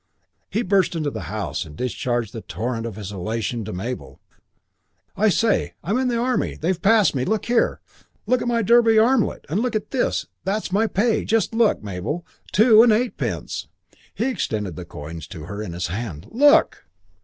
He burst into the house and discharged the torrent of his elation on to Mabel. "I say, I'm in the Army. They've passed me. Look here! Look at my Derby armlet! And look at this. That's my pay! Just look, Mabel two and eightpence." He extended the coins to her in his hand. "Look!"